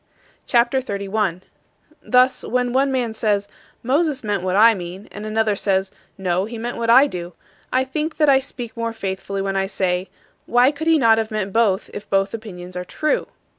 CHAPTER XXXI 42. Thus, when one man says, "Moses meant what I mean," and another says, "No, he meant what I do," I think that I speak more faithfully when I say, "Why could he not have meant both if both opinions are true?"